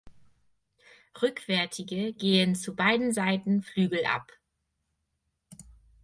Rückwärtige gehen zu beiden Seiten Flügel ab.